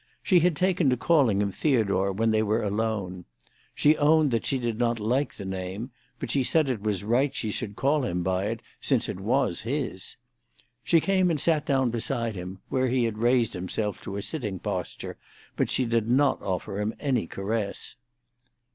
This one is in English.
She had taken to calling him Theodore when they were alone. She owned that she did not like the name, but she said it was right she should call him by it, since it was his. She came and sat down beside him, where he had raised himself to a sitting posture, but she did not offer him any caress.